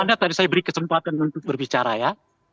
karena tadi saya beri kesempatan untuk berbicara ya